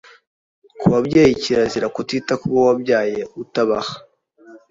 Ku babyeyi, kirazira: Kutita ku bo wabyaye utabaha